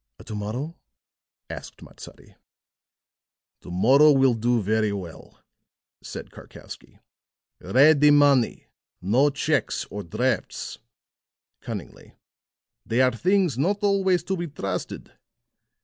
"To morrow?" asked Matsadi. "To morrow will do very well," said Karkowsky. "Ready money no checks, or drafts," cunningly. "They are things not always to be trusted.